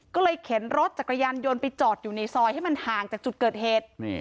ก็เลยเข็นรถจักรยานยนต์ไปจอดอยู่ในซอยให้มันห่างจากจุดเกิดเหตุ